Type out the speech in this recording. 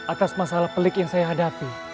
atas masalah pelik yang saya hadapi